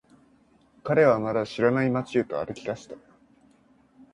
彼はまだ知らない街へと歩き出した。